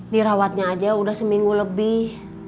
dirawatnya aja udah seminggu lebih